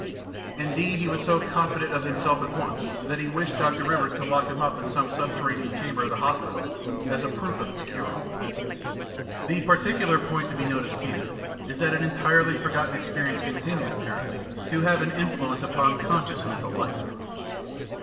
Indeed, he was so confident of himself at once that he wished Dr. Rivers to lock him up in some subterranean chamber of the hospital as a proof of his cure. The particular point to be noticed here is that an entirely forgotten experience continued, ap The Science of the Mind 561 parently, to have an influence upon conscious mental life.